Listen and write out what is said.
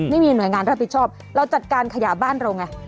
ไม่มีหน่วยงานรับผิดชอบเราจัดการขยะบ้านเราไง